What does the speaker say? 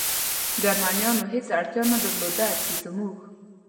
جرمنیانو هېڅ اړتیا نه درلوده، چې زموږ.